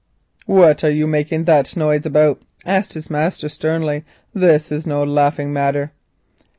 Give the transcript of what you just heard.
"What are you making that noise about?" asked his master sternly. "This is no laughing matter."